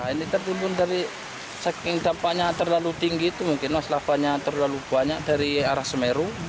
ini tertimbun dari saking dampaknya terlalu tinggi itu mungkin mas lavanya terlalu banyak dari arah semeru